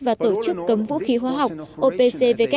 và tổ chức cấm vũ khí hóa học